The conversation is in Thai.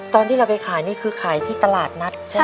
ตอนที่เราไปขายนี่คือขายที่ตลาดนัดใช่ไหม